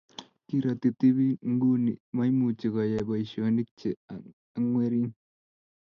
Kiroti tibin kuuni maimuchi koyai boisionik che ang'erwn